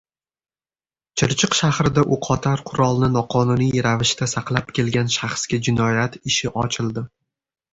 Chirchiq shahrida o‘qotar qurolni noqonuniy ravishda saqlab kelgan shaxsga jinoyat ishi ochildi